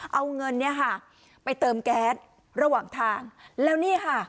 เอาเงินเนี่ยค่ะไปเติมแก๊สระหว่างทางแล้วนี่ค่ะ